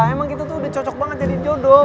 emang kita tuh udah cocok banget jadi jodoh